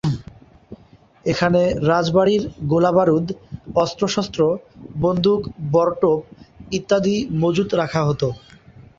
এখানে রাজবাড়ির গোলা-বারুদ, অস্ত্র-শস্ত্র, বন্দুক-বরটোপ ইত্যাদি মজুত করে রাখা হত।